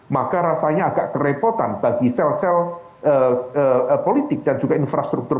maka rasanya agak kerepotan bagi sel sel politik dan juga infrastruktur